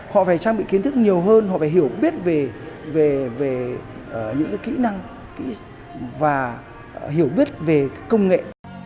họ phải trang bị kiến thức nhiều hơn họ phải hiểu biết về những kỹ năng và hiểu biết về công nghệ